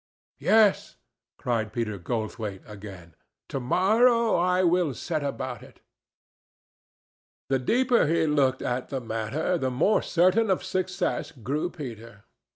"Yes," cried Peter Goldthwaite, again; "to morrow I will set about it." The deeper he looked at the matter, the more certain of success grew Peter.